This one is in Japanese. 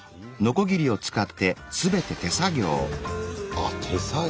あ手作業。